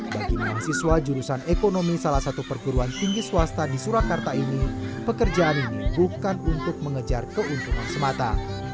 bagi mahasiswa jurusan ekonomi salah satu perguruan tinggi swasta di surakarta ini pekerjaan ini bukan untuk mengejar keuntungan semata